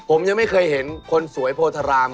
ผมยังไม่เคยเห็นคนสวยโพธาราม